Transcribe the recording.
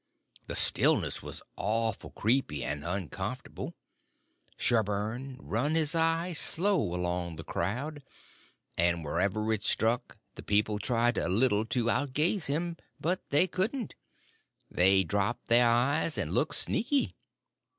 The stillness was awful creepy and uncomfortable. Sherburn run his eye slow along the crowd; and wherever it struck the people tried a little to out gaze him, but they couldn't; they dropped their eyes and looked sneaky.